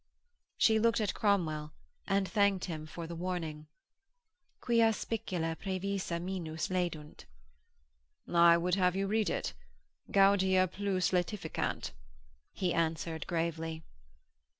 She looked at Cromwell and thanked him for the warning, 'quia spicula praevisa minus laedunt.' 'I would have you read it: gaudia plus laetificant,' he answered gravely.